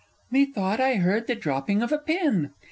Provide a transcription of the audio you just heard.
_ Methought I heard the dropping of a pin!